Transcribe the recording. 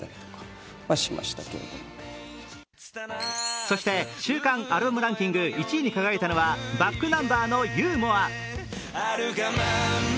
そして週間アルバムランキング１位に輝いたのはｂａｃｋｎｕｍｂｅｒの「ユーモア」。